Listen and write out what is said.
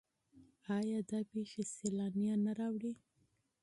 آیا دا پیښې سیلانیان نه راوړي؟